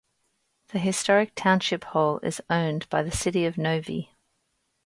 The historic township hall is owned by the City of Novi.